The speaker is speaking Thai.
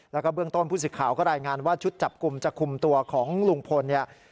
แล้วก็เบื้องต้นผู้สิทธิ์ข่าวก็รายงานว่าชุดจับกลุ่มจะคุมตัวของลุงพลเนี่ย